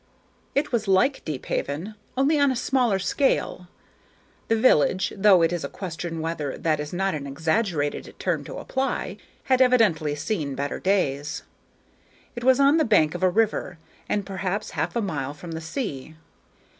It was like Deephaven, only on a smaller scale. The village though it is a question whether that is not an exaggerated term to apply had evidently seen better days. It was on the bank of a river, and perhaps half a mile from the sea.